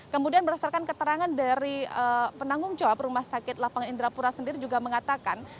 kemudian berdasarkan keterangan dari penanggung jawab rumah sakit lapangan indrapura sendiri juga mengatakan